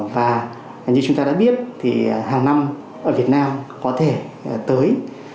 và như chúng ta đã biết thì hàng năm ở việt nam có thể tới một trăm sáu mươi